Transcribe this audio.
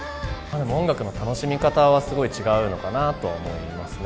音楽の楽しみ方はすごい違うのかなとは思いますね。